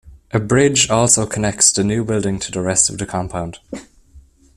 A bridge also connects the new building to the rest of the compound.